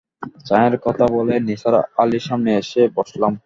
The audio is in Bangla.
চায়ের কথা বলে নিসার আলির সামনে এসে বসলাম।